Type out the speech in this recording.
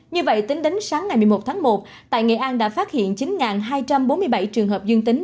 như vậy tính đến sáng ngày một mươi một tháng một tại nghệ an đã phát hiện chín hai trăm bốn mươi bảy trường hợp dương tính